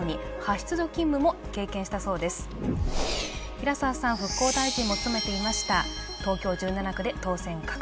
平沢さん、復興大臣も務めていました。